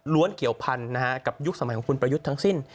ล้วนเกี่ยวพันธุ์นะครับกับยุคสมัยของคุณประยุทธ์ทั้งสิ้น